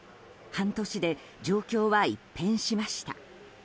半年で状況は一変しました。